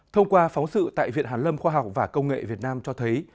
thông qua phóng sự tại viện hàn lâm khoa học và công nghệ việt nam cho thấy